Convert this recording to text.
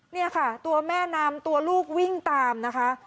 นี่ค่ะตัวแม่นำตัวลูกวิ่งตามนะคะ